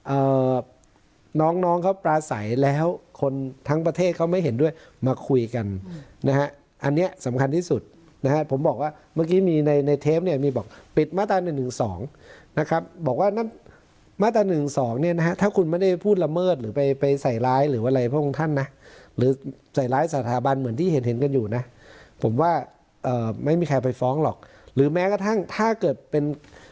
เอ่อน้องน้องเขาปลาใสแล้วคนทั้งประเทศเขาไม่เห็นด้วยมาคุยกันนะฮะอันเนี้ยสำคัญที่สุดนะฮะผมบอกว่าเมื่อกี้มีในในเทปเนี้ยมีบอกปิดมาตราหนึ่งหนึ่งสองนะครับบอกว่านั้นมาตราหนึ่งสองเนี้ยนะฮะถ้าคุณไม่ได้พูดละเมิดหรือไปไปใส่ร้ายหรือว่าอะไรพวกคุณท่านน่ะหรือใส่ร้ายสถาบันเหมือนที่เห็น